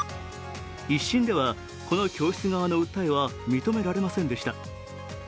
１審では、この教室側の訴えは認められませんでした。